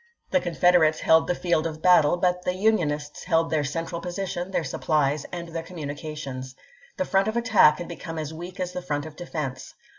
The Confederates held the field of battle, but the Unionists held theii* central position, their supplies, and their communications. The front of attack had become as weak as the front of defense.